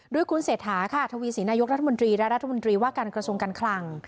โดยคุณเศรษฐาค่ะทวีศรีนายกรัฐมนตรีและรัฐมนตรีว่าการกระทรวงการคลัง